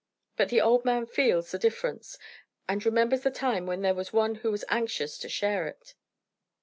But the old man feels the difference, and remembers the time when there was one who was anxious to share it.